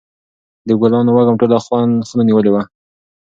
د ګلانو وږم ټوله خونه نیولې وه.